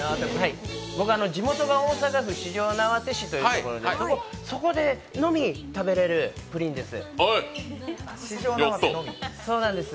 僕、地元が大阪府四條畷市というところで、そこでのみ食べられるプリンです。